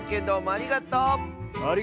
ありがとう！